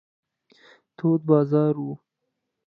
تود بازار و.